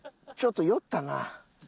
ちょっと酔ったな。